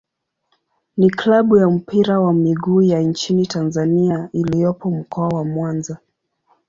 ni klabu ya mpira wa miguu ya nchini Tanzania iliyopo Mkoa wa Mwanza.